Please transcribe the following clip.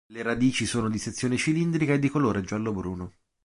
Le radici sono di sezione cilindrica e di colore giallo-bruno.